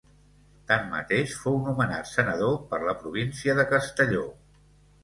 Tanmateix, fou nomenat senador per la província de Castelló.